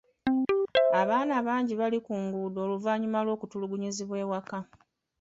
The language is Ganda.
Abaana bangi bali ku nguudo oluvannyuma lw'okutulugunyizibwa awaka.